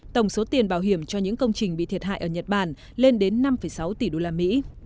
tổng số tiền bảo hiểm cho những công trình bị thiệt hại ở nhật bản lên đến năm sáu tỷ usd